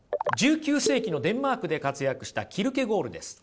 １９世紀のデンマークで活躍したキルケゴールです。